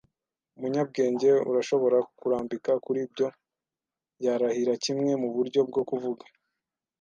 umunyabwenge, urashobora kurambika kuri ibyo. Yarahira kimwe, muburyo bwo kuvuga